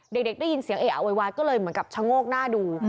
เด็กได้ยินเสียงเออะโวยวายก็เลยเหมือนกับชะโงกหน้าดู